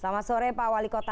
selamat sore pak wali kota